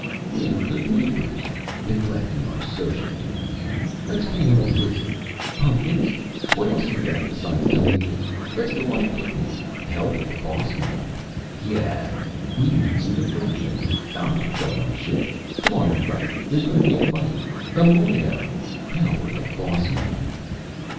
"... We ain't good neighbors neglecting our social duties. Let's pay 'em a visit.... Pun'kins! What else you got besides tamadas? Let's go on a picnic!... Hell with the Boss Man!... Yah h h We need some diversion.... I'm not goin' on shift.... Come on, everybody! There's gonna be a fight a moider!... Hell with the Boss Man...."